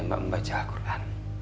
mbak membaca al quran